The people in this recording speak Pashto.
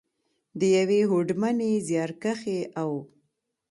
، د یوې هوډمنې، زیارکښې او .